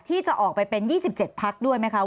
ที่จะออกไปเป็น๒๗พักด้วยไหมคะ